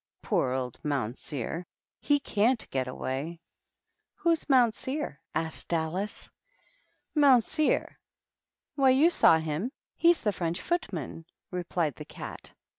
Poor old Moun seer, — he cavHt get away." "Who's Mounseer?" asked Alice. "Mounseer? Why, you saw him, — he's the French footman," replied the Cat.